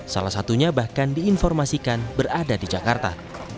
salah satunya bahkan diinformasikan berada di jakarta